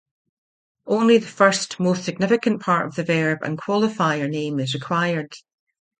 Only the first most significant part of the verb and qualifier name is required.